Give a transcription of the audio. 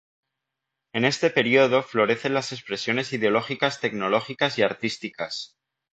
En este período florecen las expresiones ideológicas, tecnológicas y artísticas.